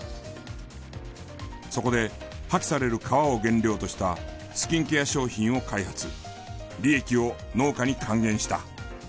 そこで破棄される皮を原料としたスキンケア商品を開発利益を農家に還元した。